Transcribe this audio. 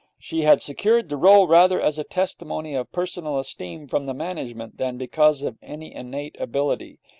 She had secured the role rather as a testimony of personal esteem from the management than because of any innate ability.